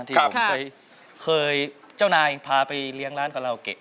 ที่เคยเจ้านายพาไปเลี้ยงร้านคาราโอเกะ